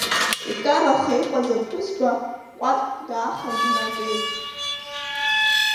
Икараха иҟаз аԥҳәызба ҟәардәк даахан днатәеит.